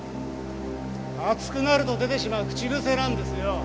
熱くなると出てしまう口癖なんですよ。